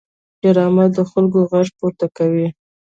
ډرامه د خلکو غږ پورته کوي